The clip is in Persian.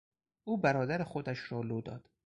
او برادر خودش را لو داد.